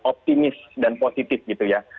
optimis dan positif gitu ya